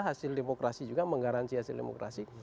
hasil demokrasi juga menggaransi hasil demokrasi